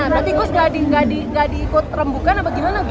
berarti gus nggak diikut rembukan apa gimana